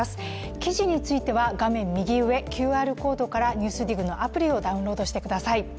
記事については画面右上、ＱＲコードから「ＮＥＷＳＤＩＧ」のアプリをダウンロードしてください。